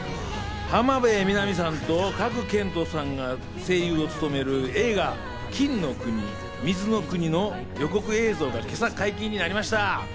浜辺美波さんと賀来賢人さんが声優を務める映画『金の国水の国』の予告映像が今朝解禁になりました。